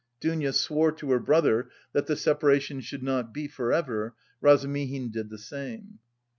Dounia swore to her brother that the separation should not be for ever, Razumihin did the same.